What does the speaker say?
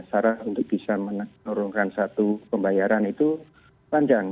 cara untuk bisa menurunkan satu pembayaran itu panjang